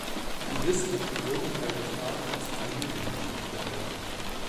Die Liste kann somit bei Recherchen zur Familiengeschichte helfen.